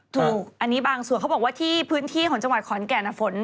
ถูกอันนี้บางส่วนเขาบอกว่าที่พื้นที่ของจังหวัดขอนแก่นฝน